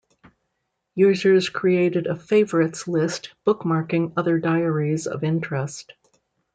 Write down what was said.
Users created a "favorites" list bookmarking other diaries of interest.